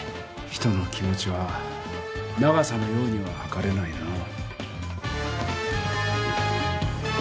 人の気持ちは長さのようにははかれないなぁ。